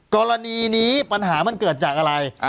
กรณีนี้ปัญหามันเกิดจากอะไร